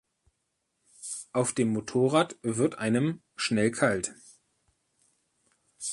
Auf dem Motorrad wird einem schnell kalt.